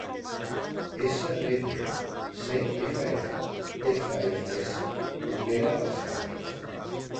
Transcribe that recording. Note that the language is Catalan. SBB-CFF-FFS opera els serveis.